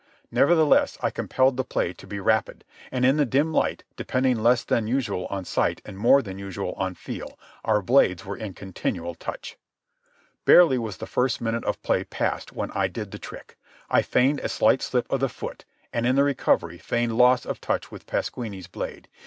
Nevertheless I compelled the play to be rapid, and in the dim light, depending less than usual on sight and more than usual on feel, our blades were in continual touch. Barely was the first minute of play past when I did the trick. I feigned a slight slip of the foot, and, in the recovery, feigned loss of touch with Pasquini's blade.